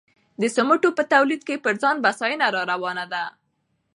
د سمنټو په تولید کې پر ځان بسیاینه راروانه ده.